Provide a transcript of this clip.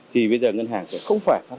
thì bây giờ ngân hàng sẽ không phải phát hành